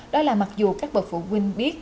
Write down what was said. đó là mặc dù các bậc phụ huynh biết